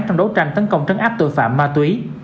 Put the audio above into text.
trong đấu tranh tấn công trấn áp tội phạm ma túy